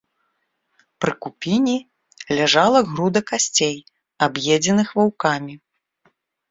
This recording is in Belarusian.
Пры купіне ляжала груда касцей, аб'едзеных ваўкамі.